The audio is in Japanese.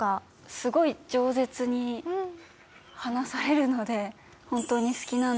すごい饒舌に話されるので。